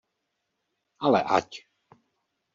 Ale ať!